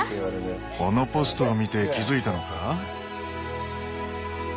このポストを見て気付いたのか？